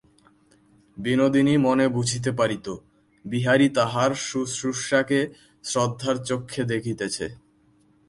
বিনোদিনী মনে বুঝিতে পারিত, বিহারী তাহার শুশ্রূষাকে শ্রদ্ধার চক্ষে দেখিতেছে।